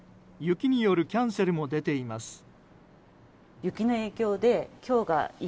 雪によるキャンセルも出ています。